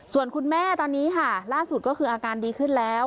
ส่วนคุณแม่ตอนนี้ค่ะล่าสุดก็คืออาการดีขึ้นแล้ว